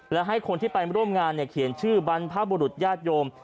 และให้คนที่ไปร่วมงานเขียนชื่อบรรพบุรุษญาติโยม